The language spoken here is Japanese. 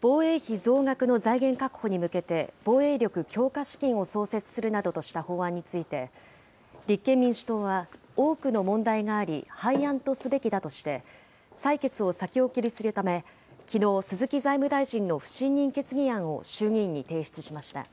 防衛費増額の財源確保に向けて、防衛力強化資金を創設するなどとした法案について、立憲民主党は、多くの問題があり、廃案とすべきだとして、採決を先送りするため、きのう、鈴木財務大臣の不信任決議案を衆議院に提出しました。